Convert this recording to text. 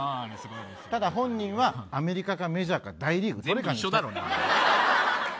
ただ本人はアメリカかメジャーか大リーグどれかって。